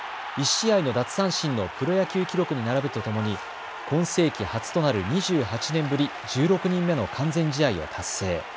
１試合の奪三振のプロ野球記録に並ぶとともに今世紀初となる２８年ぶり、１６人目の完全試合を達成。